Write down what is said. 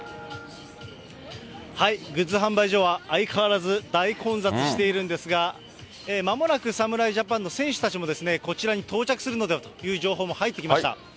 グッズ販売所は、相変わらず大混雑しているんですが、まもなく侍ジャパンの選手たちもですね、こちらに到着するのではという情報も入ってきました。